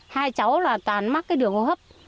hai cháu là toàn mắc cái đường hô hấp